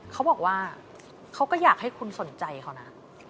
เขาบอกว่าเขาก็อยากให้คุณสนใจเขานะ